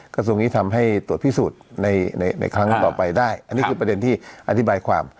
กระทรวงนี้ทำให้ตรวจพิสูจน์ในในครั้งต่อไปได้อันนี้คือประเด็นที่อธิบายความ